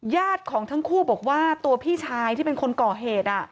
ญาติของทั้งคู่บอกว่าตัวพี่ชายที่เป็นคนก่อเหตุ